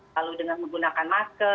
lalu dengan menggunakan masker